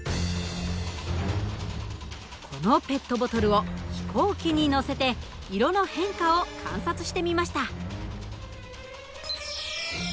このペットボトルを飛行機に乗せて色の変化を観察してみました。